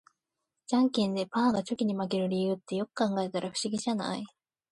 ジャンケンでパーがチョキに負ける理由って、よく考えたら不思議じゃない？